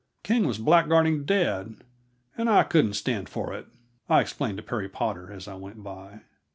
"King was blackguarding dad, and I couldn't stand for it," I explained to Perry Potter as I went by.